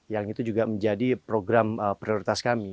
yang itu juga menjadi program prioritas kami